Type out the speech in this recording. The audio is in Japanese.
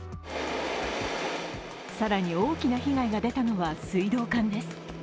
更に、大きな被害が出たのは水道管です。